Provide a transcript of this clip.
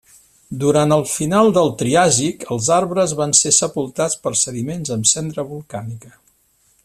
Durant el final del Triàsic els arbres van ser sepultats per sediments amb cendra volcànica.